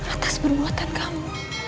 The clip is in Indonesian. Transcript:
atas perbuatan kamu